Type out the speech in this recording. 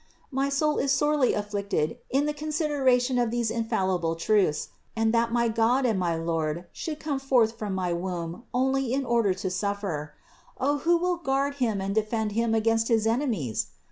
My soul is sorely afflicted in the consideration of these infallible truths and that my God and my Lord should come forth from my womb only in order to suf fer. O who will guard Him and defend Him against his enemies!